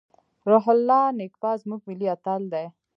روح الله نیکپا زموږ ملي اتل دی.